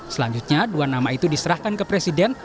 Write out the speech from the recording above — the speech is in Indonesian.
selanjutnya dua nama itu diserahkan ke presiden